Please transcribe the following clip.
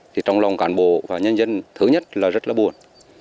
thì trong lòng cán bộ và nhân dân thứ nhất là rất là buồn